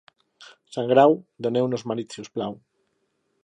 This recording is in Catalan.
Sant Grau, doneu-nos marit, si us plau.